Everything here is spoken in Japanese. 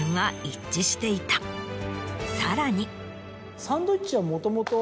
さらに。